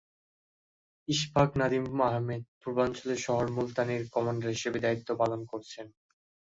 ইশফাক নাদিম আহমেদ পূর্বাঞ্চলের শহর মুলতানের কমান্ডার হিসেবে দায়িত্ব পালন করছেন।